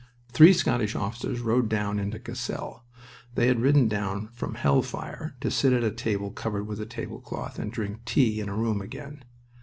Three Scottish officers rode down into Cassel. They had ridden down from hell fire to sit at a table covered with a table cloth, and drink tea in a room again.